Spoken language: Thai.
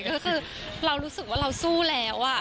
ก็คือเรารู้สึกว่าเราสู้แล้ว